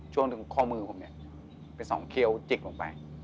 ช่วงถึงข้อมือผมเนี่ยไปส่องเคี้ยวจิกลงไป